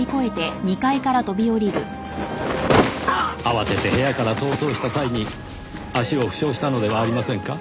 慌てて部屋から逃走した際に足を負傷したのではありませんか？